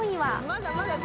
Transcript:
まだまだ。